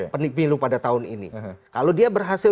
pemilu pada tahun ini kalau dia berhasil